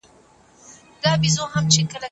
وخت تر ټولو ارزښتمنه پانګه ده.